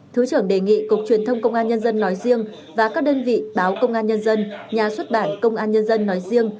thứ trưởng đề nghị cục truyền thông công an nhân dân nói riêng và các đơn vị báo công an nhân dân nhà xuất bản công an nhân dân nói riêng